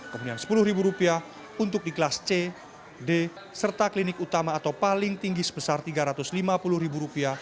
kemudian rp sepuluh untuk di kelas c d serta klinik utama atau paling tinggi sebesar rp tiga ratus lima puluh